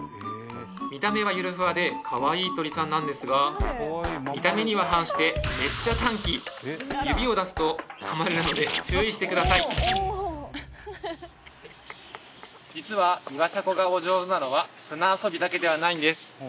見た目はゆるふわでかわいい鳥さんなんですが見た目には反して指を出すと噛まれるので注意してください実はイワシャコがお上手なのは砂遊びだけではないんです